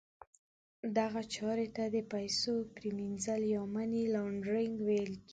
دغه چارې ته د پیسو پریمینځل یا Money Laundering ویل کیږي.